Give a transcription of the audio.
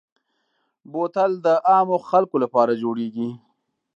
بوتل د عامو خلکو لپاره جوړېږي.